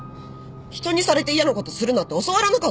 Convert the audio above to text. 人にされて嫌なことするなって教わらなかった？